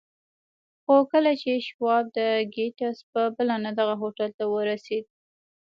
خو کله چې شواب د ګيټس په بلنه دغه هوټل ته ورسېد.